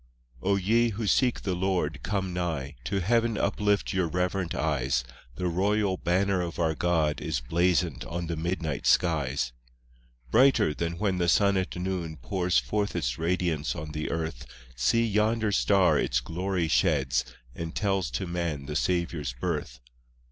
I O ye who seek the Lord, come nigh, To heaven uplift your reverent eyes, The Royal Banner of our God Is blazoned on the midnight skies. II Brighter than when the sun at noon Pours forth its radiance on the earth, See yonder star its glory sheds, And tells to man the Saviour's birth.